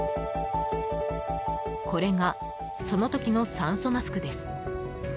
これが、その時の酸素マスクです。